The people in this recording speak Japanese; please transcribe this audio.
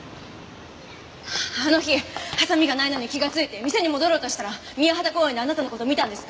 あの日ハサミがないのに気がついて店に戻ろうとしたら宮畠公園であなたの事見たんです。